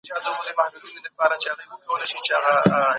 ثبات ته ارزښت ورکړئ.